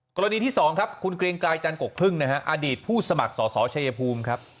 กรณีที่๒ครับคุณเกรงไกรจันกกพึ่งนะฮะอดีตผู้สมัครสอสอชัยภูมิครับ